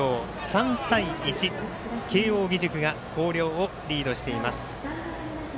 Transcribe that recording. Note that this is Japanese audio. ３対１、慶応義塾が広陵をリードしています。